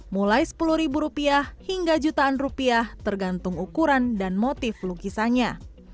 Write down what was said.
mulai sepuluh ribu rupiah hingga jutaan rupiah tergantung ukuran dan motif lukisannya